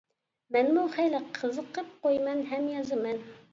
مەنمۇ خېلى قىزىقىپ قويىمەن، ھەم يازىمەن.